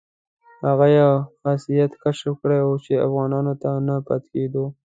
هغه یو خاصیت کشف کړی وو چې افغانانو ته نه پاتې کېدو.